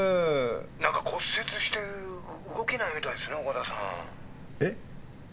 なんか骨折して動けないみたいですね岡田さん。えっ？